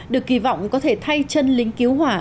được kỳ vọng có thể thay chân lính cứu hỏa